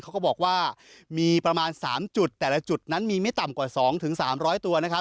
ก็บอกว่ามีประมาณ๓จุดแต่ละจุดนั้นมีไม่ต่ำกว่า๒๓๐๐ตัวนะครับ